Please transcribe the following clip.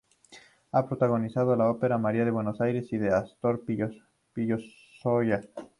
Ha protagonizado la ópera "María de Buenos Aires" de Astor Piazzolla.